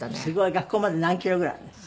学校まで何キロぐらいあるんですか？